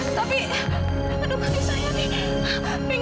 tapi aduh bagi saya nih